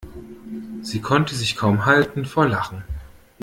Sie konnte sich kaum halten vor Lachen.